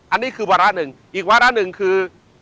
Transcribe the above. อันนี้คือวาระหนึ่งอีกวาระหนึ่งคือ